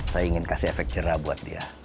saya ingin kasih efek cerah buat dia